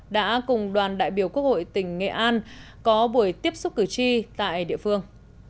đã cùng đoàn đại biểu quốc hội tỉnh nghệ an có buổi tiếp xúc cử tri tại địa phương